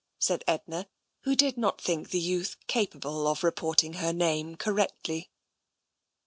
'* said Edna, who did not think the youth capable of reporting her name correctly.